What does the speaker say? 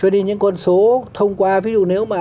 nên con số thông qua ví dụ nếu mà